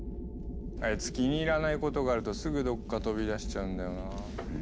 あいつ気に入らないことがあるとすぐどっか飛び出しちゃうんだよな。